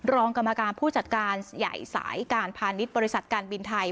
รองกรรมการผู้จัดการใหญ่สายการพาณิชย์บริษัทการบินไทย